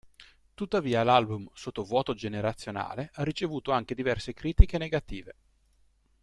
Tuttavia l'album "Sottovuoto generazionale" ha ricevuto anche diverse critiche negative.